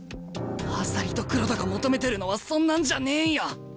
朝利と黒田が求めてるのはそんなんじゃねえんや。